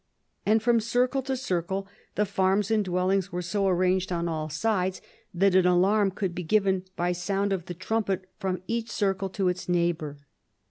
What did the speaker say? And from circle to circle the farms and dwellings were so arranged on all sides, that aft 208 CHARLEMAGNE. alarm could be given by sound of the trumpet from each circle to its neighbor."